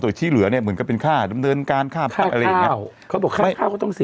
ตัวอีกที่เหลือเนี่ยเหมือนก็เป็นค่าดำเนินการค่าค่าข้าวเขาบอกค่าข้าวเขาต้องเสีย